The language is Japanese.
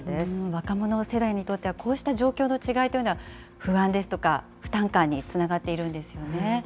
若者世代にとっては、こうした状況の違いというのは、不安ですとか負担感につながっているんですよね。